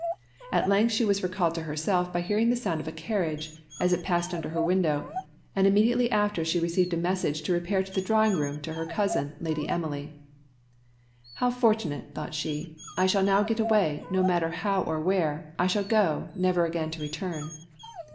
At length she was recalled to herself by hearing the sound of a carriage, as it passed under her window; and immediately after she received a message to repair to the drawing room to her cousin, Lady Emily. "How fortunate!" thought she; "I shall now get away no matter how or where, I shall go, never again to return."